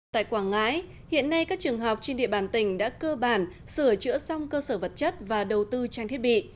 tại quảng ngãi hiện nay các trường học trên địa bàn tỉnh đã cơ bản sửa chữa xong cơ sở vật chất và đầu tư trang thiết bị